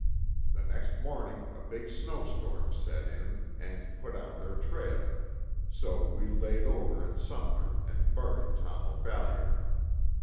The next morning a big snow storm set in and put out their trail, so we laid over in Sumner and buried Tom O'Phalliard.